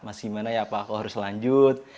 mas gimana ya apa aku harus lanjut